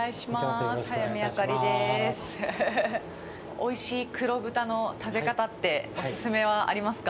おいしい黒豚の食べ方ってお勧めはありますか。